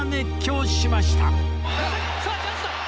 さあチャンスだ！